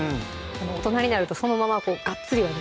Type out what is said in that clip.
大人になるとそのままガッツリはね